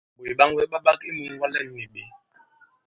Ɓòt ɓaŋwɛ ɓa ɓak i mūŋwa lɛ᷇n nì ɓě?